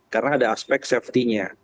karena ada aspek safetynya